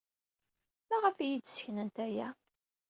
Maɣef ay iyi-d-sseknent aya?